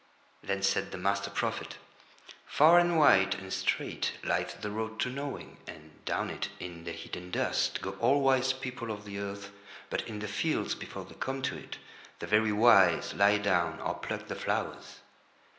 Then said the master prophet: "Far and white and straight lieth the road to Knowing, and down it in the heat and dust go all wise people of the earth, but in the fields before they come to it the very wise lie down or pluck the flowers.